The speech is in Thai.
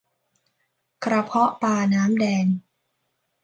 กระเพาะปลาน้ำแดง